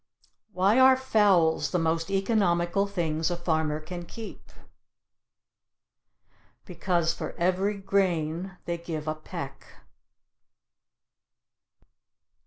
Why are fowls the most economical things a farmer can keep? Because for every grain they give a peck.